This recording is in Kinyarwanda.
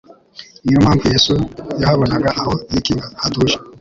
Niyo mpamvu Yesu yahabonaga aho yikinga hatuje.